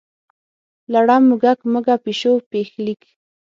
لړم، موږک، مږه، پیشو، پیښلیک.